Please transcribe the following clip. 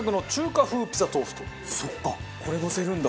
そっかこれのせるんだ。